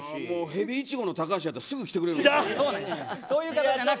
ヘビイチゴの高橋だったらすぐ来てくれる。